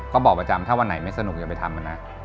ก็บอกประจำว่าวันไหนไม่สนุกก็ไปทำกัน